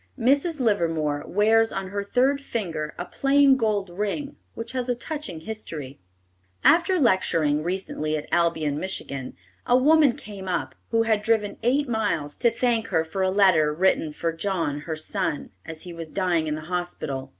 Mrs. Livermore wears on her third finger a plain gold ring which has a touching history. After lecturing recently at Albion, Mich., a woman came up, who had driven eight miles, to thank her for a letter written for John, her son, as he was dying in the hospital.